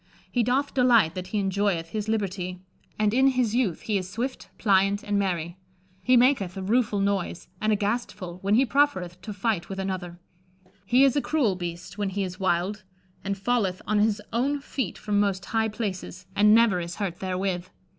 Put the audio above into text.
He doth delighte that he enjoyeth his libertie; and in his youth he is swifte, plyante, and merye. He maketh a rufull noyse and a gastefulle when he profereth to fighte with another. He is a cruell beaste when he is wilde, and falleth on his owne feete from moste highe places: and never is hurt therewith.